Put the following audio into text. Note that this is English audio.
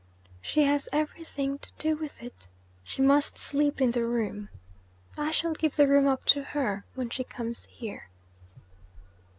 'She has everything to do with it she must sleep in the room. I shall give the room up to her when she comes here.'